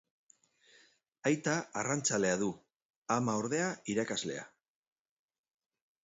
Aita arrantzalea du; ama, ordea, irakaslea.